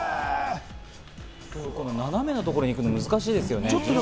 斜めのところに行くの難しいですよね。